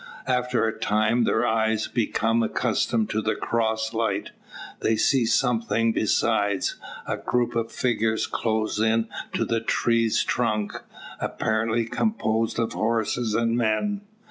After a time, their eyes becoming accustomed to the cross light, they see something besides; a group of figures close in to the tree's trunk, apparently composed of horses and men.